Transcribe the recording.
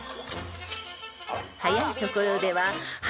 ［早いところでは］